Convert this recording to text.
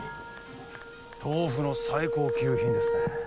トウフの最高級品ですね。